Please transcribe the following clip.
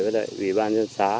với vị bàn dân xã